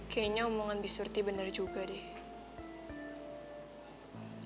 kayaknya omongan bisurti benar juga deh